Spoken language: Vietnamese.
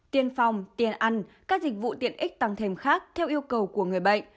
tiền phòng tiền ăn các dịch vụ tiện ích tăng thêm khác theo yêu cầu của người bệnh